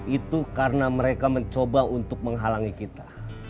itu karena mereka mencoba untuk menghalangi kita